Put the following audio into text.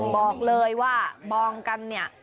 บอกเลยว่ามองกันเนี่ย